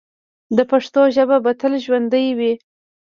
د پښتنو ژبه به تل ژوندی وي.